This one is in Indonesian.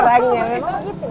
memang itu dia gak apa apa bu